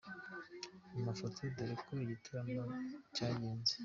Mu mafoto dore ko igitaramo cyagenze:.